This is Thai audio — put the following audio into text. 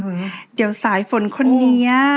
พี่ถึกจ้าชายหญิงอยู่ในห้องด้วยกันซะ